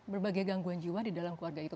berbagai gangguan jiwa di dalam keluarga itu